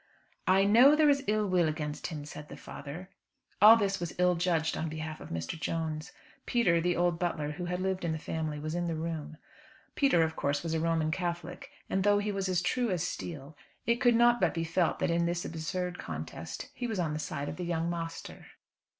"I know there is ill will against him," said the father. All this was ill judged on behalf of Mr. Jones. Peter, the old butler, who had lived in the family, was in the room. Peter, of course, was a Roman Catholic, and, though he was as true as steel, it could not but be felt that in this absurd contest he was on the side of the "young masther."